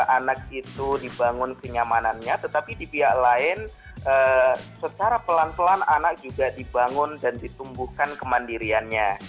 anak itu dibangun kenyamanannya tetapi di pihak lain secara pelan pelan anak juga dibangun dan ditumbuhkan kemandiriannya